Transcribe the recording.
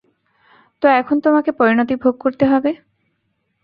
তো এখন তোমাকে পরিণতি ভোগ করতে হবে।